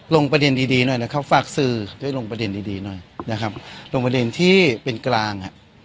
ลงประเด็นดีดีหน่อยนะครับฝากสื่อด้วยลงประเด็นดีดีหน่อยนะครับลงประเด็นที่เป็นกลาง